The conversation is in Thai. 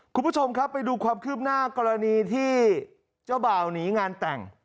คุณผู้ชมครับไปดูความคืบหน้ากรณีที่เจ้าบ่าวหนีงานแต่ง